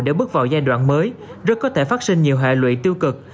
để bước vào giai đoạn mới rất có thể phát sinh nhiều hệ lụy tiêu cực